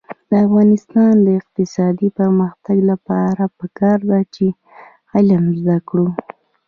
د افغانستان د اقتصادي پرمختګ لپاره پکار ده چې علم زده کړو.